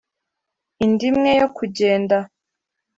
indi imwe yo kugenda!